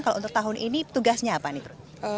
kalau untuk tahun ini tugasnya apa nih bro